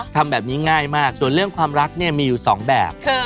ทำแบบนี้ง่ายมากส่วนเรื่องความรักเนี่ยมีอยู่๒แบบ